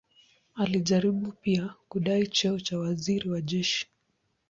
Alijaribu pia kudai cheo cha waziri wa jeshi.